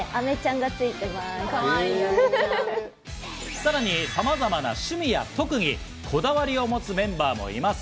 さらにさまざまな趣味や特技、こだわりを持つメンバーもいます。